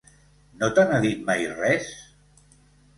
No te n'ha dit mai res?